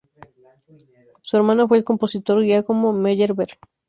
Su hermano fue el compositor Giacomo Meyerbeer.